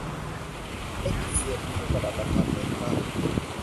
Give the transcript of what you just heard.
แพตทริเซียมีเครื่องประดับราคาแพงอยู่บ้าง